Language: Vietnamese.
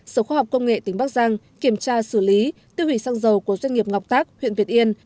sở khoa học công nghệ tỉnh bắc giang kiểm tra xử lý tiêu hủy xăng dầu của doanh nghiệp ngọc tác huyện việt yên